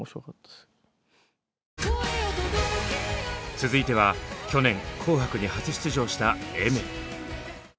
続いては去年「紅白」に初出場したＡｉｍｅｒ。